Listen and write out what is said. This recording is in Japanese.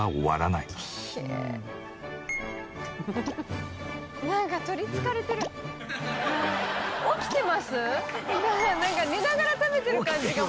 「なんか寝ながら食べてる感じが」